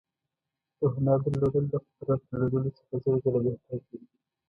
د هنر درلودل له قدرت درلودلو څخه زر ځله بهتر دي.